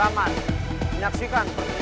apa yang dia katakan tuhan